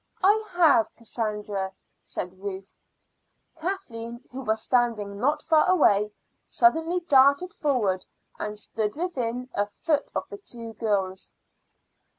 "I have, Cassandra," said Ruth. Kathleen, who was standing not far away, suddenly darted forward and stood within a foot of the two girls.